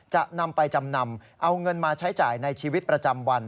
จะนำไปจำนำเอาเงินมาใช้จ่ายในชีวิตประจำวัน